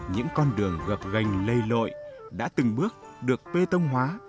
những con đường gập gành lây lội đã từng bước được pê tông hóa